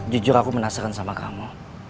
jujur aku penasaran sama kamu